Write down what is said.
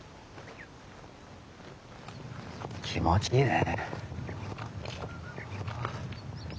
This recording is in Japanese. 気持ちいいね。